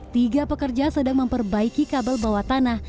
tiga pekerja sedang memperbaiki kabel bawah tanah